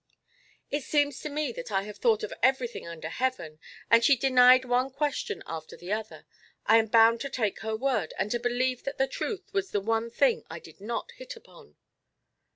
"It seems to me that I have thought of everything under heaven; and she denied one question after the other. I am bound to take her word, and to believe that the truth was the one thing I did not hit upon."